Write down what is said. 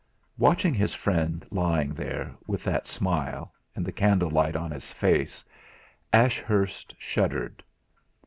Watching his friend, lying there, with that smile, and the candle light on his face, Ashurst shuddered.